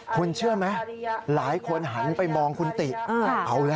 คุณเชื่อไหมหลายคนหันไปมองคุณติเอาละ